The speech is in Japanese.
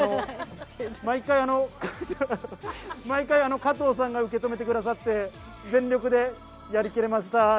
毎回、加藤さんが受け止めてくださって全力でやりきれました。